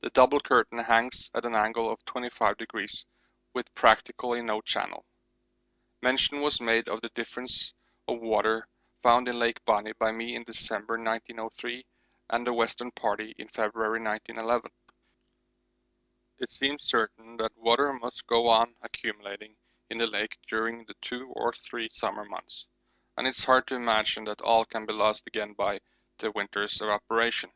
The 'double curtain' hangs at an angle of 25°, with practically no channel. Mention was made of the difference of water found in Lake Bonney by me in December 1903 and the Western Party in February 1911. It seems certain that water must go on accumulating in the lake during the two or three summer months, and it is hard to imagine that all can be lost again by the winter's evaporation.